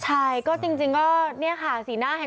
ใช่ก็จริงก็นี่ค่ะ